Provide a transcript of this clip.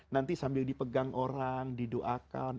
nanti sambil dipegang orang didoakan